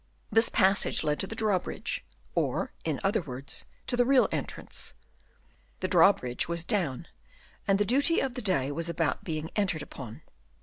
This passage led to the drawbridge, or, in other words, to the real entrance. The drawbridge was down, and the duty of the day was about being entered upon.